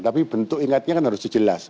tapi bentuk ingatnya kan harus jelas